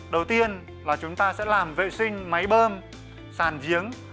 đầu tiên là chúng ta sẽ làm vệ sinh máy bơm sàn giếng